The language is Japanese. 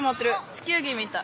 地球ぎみたい。